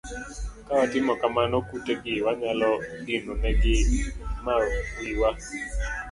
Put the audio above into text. Ka watimo kamano kute gi wanyalo dino ne gi ma wiwa